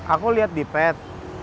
aku liat di pet